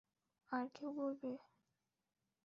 আর কেউ বলবে?